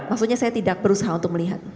maksudnya saya tidak berusaha untuk melihat